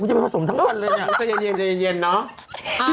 กูจะไปผสมทั้งวันเลยเนี่ยก็เย็นเนาะ